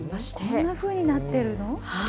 こんなふうになってるの？